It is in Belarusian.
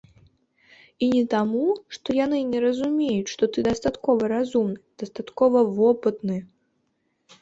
І не таму, што яны не разумеюць, што ты дастаткова разумны, дастаткова вопытны.